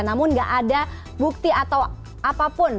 namun nggak ada bukti atau apapun